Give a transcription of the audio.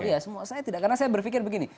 iya semua saya tidak karena saya berpikir begini